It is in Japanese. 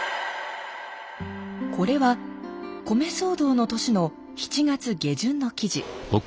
これは米騒動の年の７月下旬の記事。